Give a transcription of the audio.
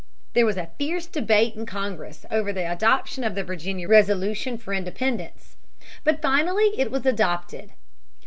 There was a fierce debate in Congress over the adoption of the Virginia resolution for independence. But finally it was adopted.